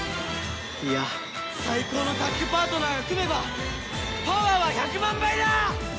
いや最高のタッグパートナーが組めばパワーは１００万倍だ！